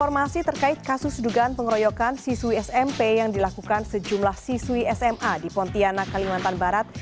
informasi terkait kasus dugaan pengeroyokan siswi smp yang dilakukan sejumlah siswi sma di pontianak kalimantan barat